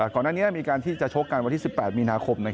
ก่อนหน้านี้มีการที่จะชกกันวันที่๑๘มีนาคม